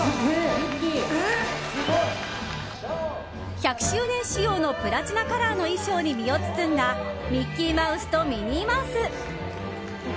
１００周年仕様のプラチナカラーの衣装に身を包んだミッキーマウスとミニーマウス！